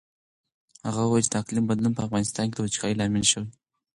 هغه وویل چې د اقلیم بدلون په افغانستان کې د وچکالۍ لامل شوی.